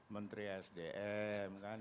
menteri sdm kan